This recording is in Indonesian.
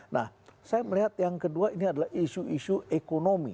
nah saya melihat yang kedua ini adalah isu isu ekonomi